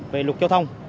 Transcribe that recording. về luật giao thông